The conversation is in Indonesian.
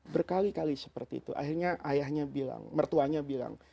berkali kali seperti itu akhirnya ayahnya bilang mertuanya bilang